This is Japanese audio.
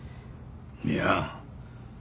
いや。